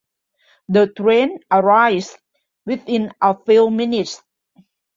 The train arrives within a few minutes.